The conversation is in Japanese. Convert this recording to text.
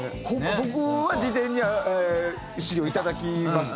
僕は事前に資料をいただきましたけど。